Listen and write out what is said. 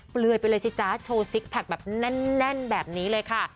เปลือยไปเลยสิจ๊ะโชว์ซิกแพคแบบแน่นแบบนี้เลยค่ะ